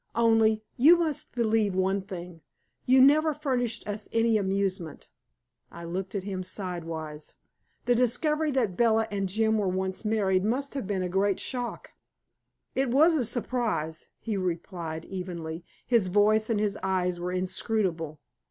Only, you must believe one thing. You never furnished us any amusement." I looked at him sidewise. "The discovery that Bella and Jim were once married must have been a great shock." "It was a surprise," he replied evenly. His voice and his eyes were inscrutable.